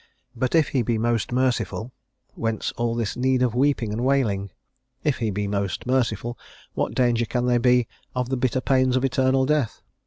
But if he be most merciful, whence all this need of weeping and wailing? If he be most merciful, what danger can there be of the bitter pains of eternal death?